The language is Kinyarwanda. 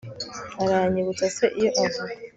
Aranyibutsa se iyo avuga